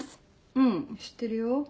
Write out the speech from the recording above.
うん知ってるよ。